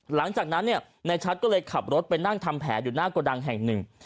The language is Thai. หลังจากนั้นเนี่ยในชัดก็เลยขับรถไปนั่งทำแผลอยู่หน้าโกดังแห่งหนึ่ง